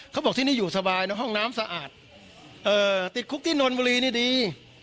เขาบอกที่นี่อยู่สบายนะห้องน้ำสะอาดติดคุกที่นนบุรีนี่ดี